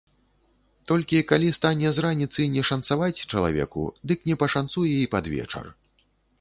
Толькі калі стане з раніцы не шанцаваць чалавеку, дык не пашанцуе і пад вечар.